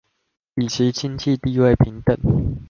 以及經濟地位平等